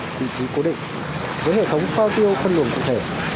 vị trí cố định với hệ thống phao tiêu phân luồng cụ thể